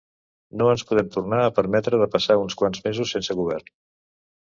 No ens podem tornar a permetre de passar uns quants mesos sense govern.